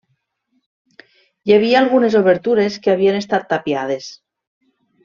Hi havia algunes obertures que havien estat tapiades.